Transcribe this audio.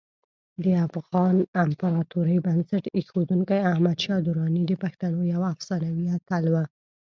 د افغان امپراتورۍ بنسټ ایښودونکی احمدشاه درانی د پښتنو یو افسانوي اتل و.